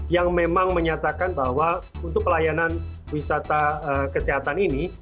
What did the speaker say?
yang memang menyatakan bahwa untuk pelayanan wisata kesehatan ini